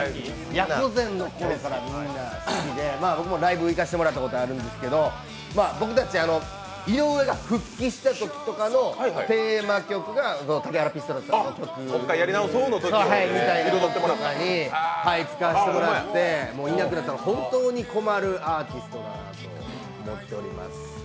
野狐禅のころからみんな好きで僕もライブ行かせてもらったことあるんですけど、僕たち井上が復帰したときとかのテーマ曲が竹原ピストルさんの曲を使わせてもらって、いなくなったら本当に困るアーティストだなと思います。